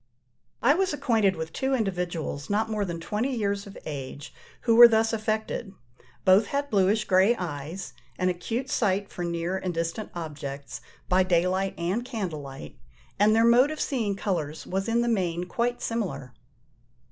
I was acquainted with two individuals not more than twenty years of age, who were thus affected: both had bluish grey eyes, an acute sight for near and distant objects, by day light and candle light, and their mode of seeing colours was in the main quite similar.